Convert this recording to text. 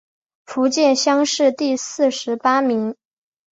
福建乡试第四十八名。